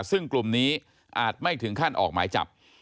ซึ่งกลุ่มนี้อาจไม่ถึงขั้นออกหมายจับ